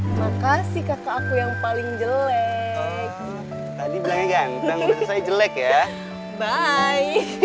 makasih kakak aku yang paling jelek tadi bilangnya ganteng jelek ya bye